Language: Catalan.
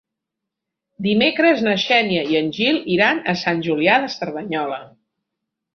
Dimecres na Xènia i en Gil iran a Sant Julià de Cerdanyola.